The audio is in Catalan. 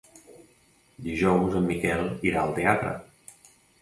Dijous en Miquel irà al teatre.